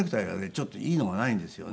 ちょっといいのがないんですよね。